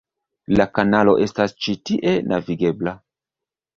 La kanalo estas ĉi tie navigebla.